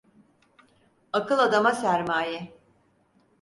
Akıl adama sermaye.